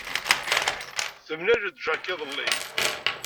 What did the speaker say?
Temlal-d Jack iḍelli.